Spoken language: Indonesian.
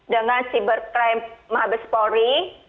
dengan cybercrime mahabespori